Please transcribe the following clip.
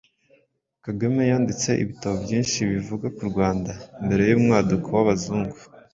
Kagame yanditse ibitabo byinshi bivuga ku Rwanda mbere y’umwaduko w’abazungu.